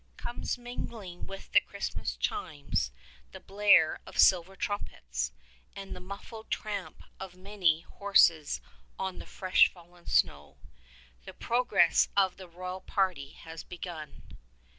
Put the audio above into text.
Comes mingling with the Christmas chimes the blare of silver trumpets, and the muffled tramp of many horses on the fresh fallen snow. The progress of the royal party has begun.